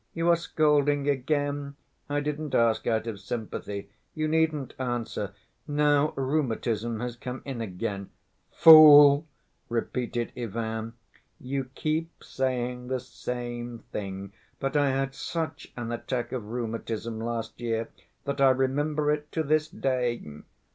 You are scolding again? I didn't ask out of sympathy. You needn't answer. Now rheumatism has come in again—" "Fool!" repeated Ivan. "You keep saying the same thing; but I had such an attack of rheumatism last year that I remember it to this day."